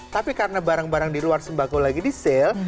tapi karena barang barang di luar sembako lagi di sale